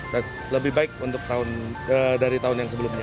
dan lebih baik untuk tahun dari tahun yang sebelumnya